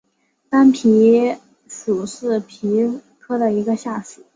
斑皮蠹属是皮蠹科下的一个属。